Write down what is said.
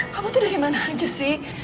kamu tuh dari mana aja sih